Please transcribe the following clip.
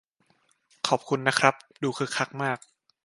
ขอบคุณนะครับ ดูคึกคักมาก